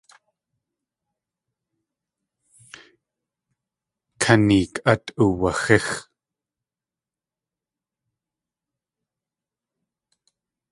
Kaneek át uwaxíx.